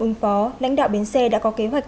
ứng phó lãnh đạo bến xe đã có kế hoạch